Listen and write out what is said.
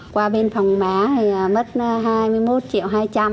qua bên phòng má thì mất hai mươi một triệu hai trăm linh